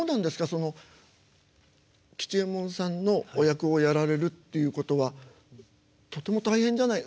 その吉右衛門さんのお役をやられるっていうことはとても大変じゃない？